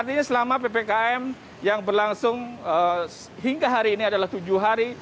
artinya selama ppkm yang berlangsung hingga hari ini adalah tujuh hari